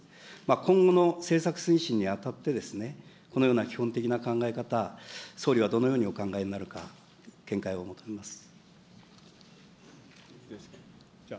今後の政策推進にあたってですね、このような基本的な考え方、総理はどのようにお考えになるか、見解を求めます。